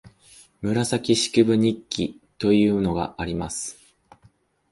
「紫式部日記」というのがあります